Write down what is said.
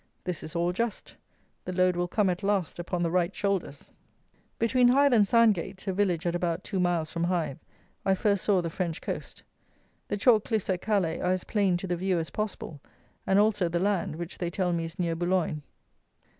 This is all just. The load will come, at last, upon the right shoulders. Between Hythe and Sandgate (a village at about two miles from Hythe) I first saw the French coast. The chalk cliffs at Calais are as plain to the view as possible, and also the land, which they tell me is near Boulogne.